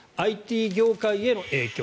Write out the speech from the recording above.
ＩＴ業界への影響。